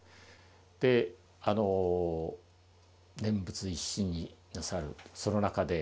で念仏一心になさるその中で。